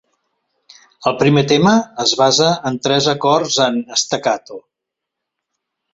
El primer tema es basa en tres acords en staccato.